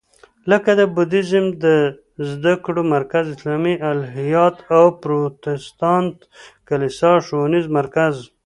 لکه د بودیزم د زده کړو مرکز، اسلامي الهیات او پروتستانت کلیسا ښوونیز مرکز.